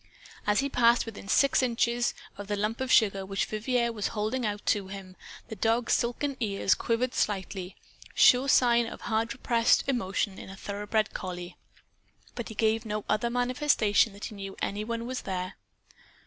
As he passed within six inches of the lump of sugar which Vivier was holding out to him, the dog's silken ears quivered slightly, sure sign of hard repressed emotion in a thoroughbred collie, but he gave no other manifestation that he knew any one was there.